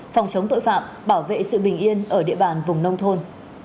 phòng chống tội phạm bảo vệ sự bình yên ở địa bàn vùng nông thôn